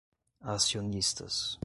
acionistas